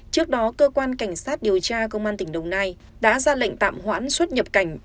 trước đó cơ quan cảnh sát điều tra công an tỉnh đồng nai đã ra lệnh tạm hoãn xuất nhập cảnh